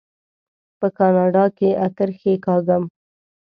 په کاناډا کې اکرښې کاږم.